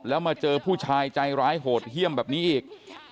แล้วมาเจอผู้ชายใจร้ายโหดเยี่ยมแบบนี้อีก